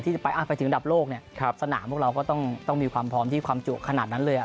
จะไปไปถึงระดับโลกเนี่ยสนามพวกเราก็ต้องมีความพร้อมที่ความจุขนาดนั้นเลยอ่ะ